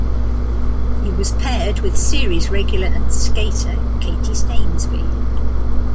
He was paired with series regular and skater Katie Stainsby.